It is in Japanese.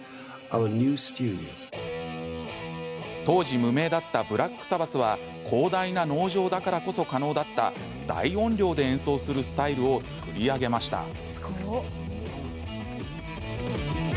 当時、無名だったブラック・サバスは広大な農場だからこそ可能だった大音量で演奏するスタイルを作り上げました。